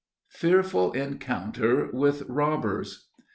FEARFUL ENCOUNTER WITH ROBBERS.